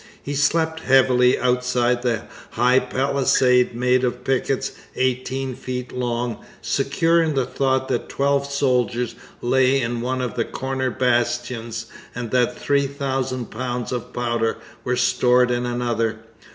He slept heavily outside the high palisade made of pickets eighteen feet long, secure in the thought that twelve soldiers lay in one of the corner bastions and that three thousand pounds of powder were stored in another.